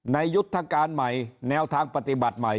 ยุทธการใหม่แนวทางปฏิบัติใหม่